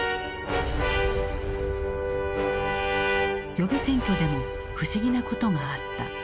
予備選挙でも不思議なことがあった。